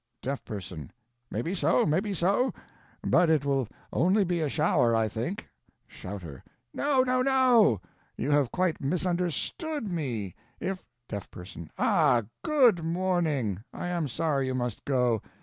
Deaf Person. Maybe so, maybe so; but it will only be a shower, I think. Shouter. No, no, no! you have quite misunderSTOOD me. If Deaf Person. Ah! GOOD morning; I am sorry you must go.